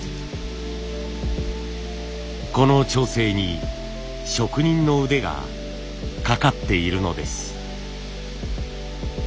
この調整に職人の腕がかかっているのです。